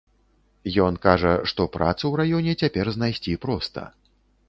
Ён кажа, што працу ў раёне цяпер знайсці проста.